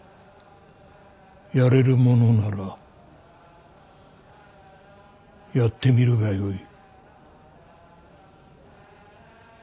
やれるものならやってみるがよい。